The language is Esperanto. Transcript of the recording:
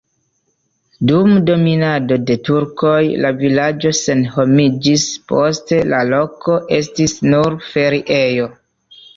Dum dominado de turkoj la vilaĝo senhomiĝis, poste la loko estis nur feriejo.